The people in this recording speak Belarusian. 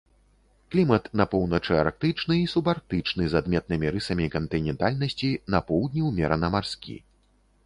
Клімат на поўначы арктычны і субарктычны з адметнымі рысамі кантынентальнасці, на поўдні ўмерана марскі.